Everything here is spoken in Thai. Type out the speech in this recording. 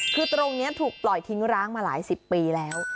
คือตรงนี้ถูกปล่อยทิ้งร้างมาหลายสิบปีแล้ว